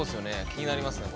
気になりますね